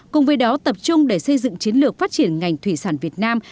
cùng với đó tập trung để xây dựng chiến lược phát triển ngành thủy sản việt nam